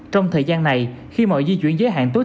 trong thời gian này khi mọi di chuyển giới hạn tối